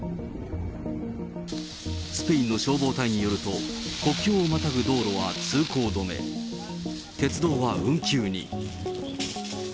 スペインの消防隊によると、国境をまたぐ道路は通行止め、鉄道は運休に。